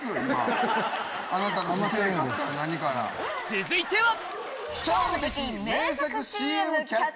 続いては！